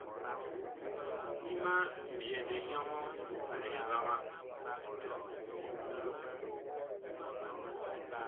Ti ma ŋmbyɛndɛ nyɔŋɔɔ a lɛ vaŋaa.